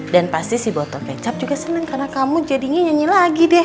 dan pasti si botol kecap juga senang karena kamu jadi ingin nyanyi lagi deh